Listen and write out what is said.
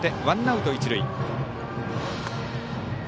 ワンアウト一塁。